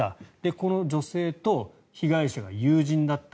この女性と被害者が友人だった。